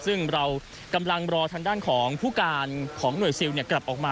ซึ่งเรากำลังรอทางด้านของผู้การของหน่วยซิลกลับออกมา